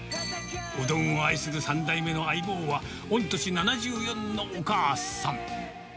うどんを愛する３代目の相棒は、御年７４のお母さん。